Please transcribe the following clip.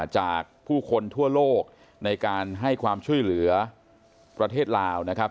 จากผู้คนทั่วโลกในการให้ความช่วยเหลือประเทศลาวนะครับ